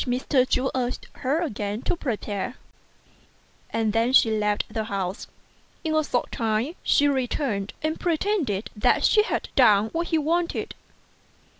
159 which Mr. Chu urged her again to prepare, and then left the house. In a short time he returned, and his wife pretended that she had done what he wanted.